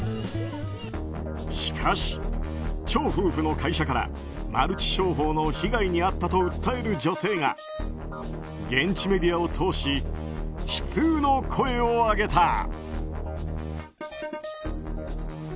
しかし、チョウ夫婦の会社からマルチ商法の被害に遭ったと訴える女性が現地メディアを通し悲痛の声を上げた。